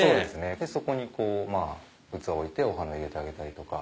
そこに器を置いてお花を入れてあげたりとか。